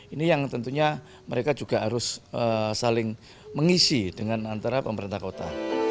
ini yang tentunya mereka juga harus saling mengisi dengan antara pemerintah kota